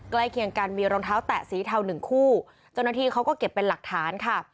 ใกล้เคียงกันมีรองเท้าแตะสีเทาหนึ่งคู่เจ้าหน้าที่เขาก็เก็บเป็นหลักฐานค่ะ